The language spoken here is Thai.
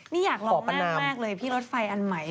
นี่อยากลองมากเลยพี่รถไฟอันใหม่